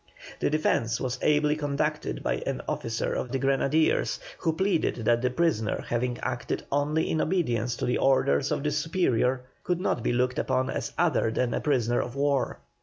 The defence was ably conducted by an officer of the Grenadiers, who pleaded that the prisoner having acted only in obedience to the orders of his superior could not be looked upon as other than a prisoner of war.